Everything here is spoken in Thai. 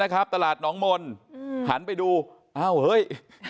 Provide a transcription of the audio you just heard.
นะครับตลาดหนองหมนหันไปดูอาวเฮ้ย